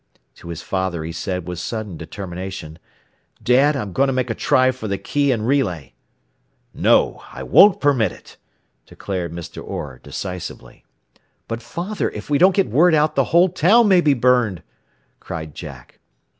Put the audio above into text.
To his father he said with sudden determination, "Dad, I'm going to make a try for the key and relay." "No. I won't permit it," declared Mr. Orr decisively. "But father, if we don't get word out the whole town may be burned," cried Jack.